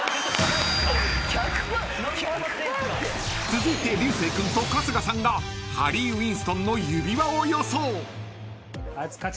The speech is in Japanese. ［続いて流星君と春日さんがハリー・ウィンストンの指輪を予想］